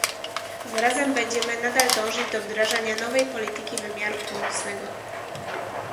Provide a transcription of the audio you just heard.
Zarazem będziemy nadal dążyć do wdrażania nowej polityki wymiaru północnego